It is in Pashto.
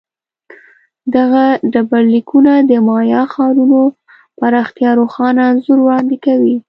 دغه ډبرلیکونه د مایا ښارونو پراختیا روښانه انځور وړاندې کوي